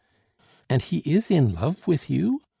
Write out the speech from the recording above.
"And he is in love with you?"